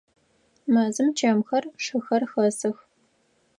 Мэзым чэмхэр, шыхэр хэсых.